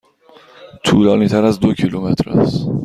طولانی تر از دو کیلومتر است.